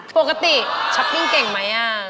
ปกติช็อปติงเก่งไหมน่ะ